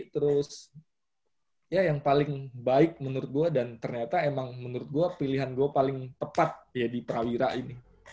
terus ya yang paling baik menurut gue dan ternyata emang menurut gue pilihan gue paling tepat ya di prawira ini